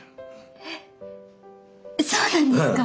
そうなんですか？